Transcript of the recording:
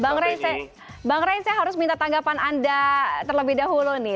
bang rey bang ray saya harus minta tanggapan anda terlebih dahulu nih